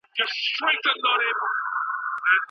آیا د لري واټن زده کړه د حضوري ټولګیو ځای نیسي؟